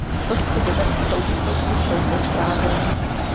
To chci dodat v souvislosti s touto zprávou.